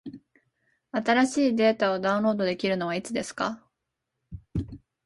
新しいデータをダウンロードできるのはいつですか？